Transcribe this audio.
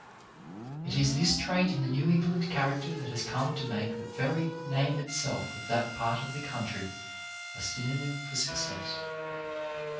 It is this trait in the New England character that has come to make the very name itself of that part of the country a synonym for success.